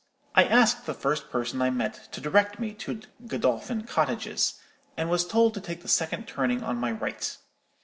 I asked the first person I met to direct me to Godolphin Cottages, and was told to take the second turning on my right.